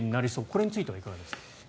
これについてはいかがですか？